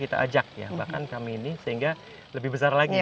kita ajak ya bahkan kami ini sehingga lebih besar lagi